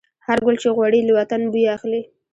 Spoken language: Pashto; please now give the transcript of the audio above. هر ګل چې غوړي، له وطن نه بوی اخلي